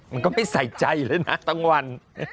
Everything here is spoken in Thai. มันก็ไม่ใส่ใจเลยนะกลางวัน